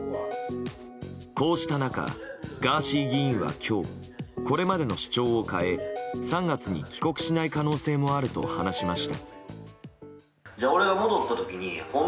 こうした中、ガーシー議員は今日これまでの主張を変え３月に帰国しない可能性もあると話しました。